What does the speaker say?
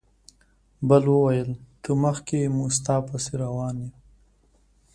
بل وویل ته مخکې موږ ستا پسې روان یو.